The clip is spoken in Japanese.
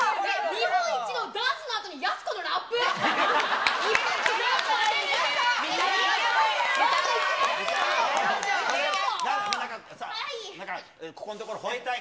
日本一のダンスのあとにやす見たい！